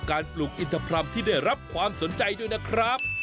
ปลูกอินทพรรมที่ได้รับความสนใจด้วยนะครับ